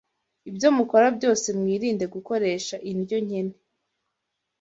Ibyo mukora byose, mwirinde gukoresha indyo nkene